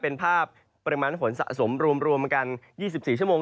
เป็นภาพปริมาณฝนสะสมรวมกัน๒๔ชั่วโมง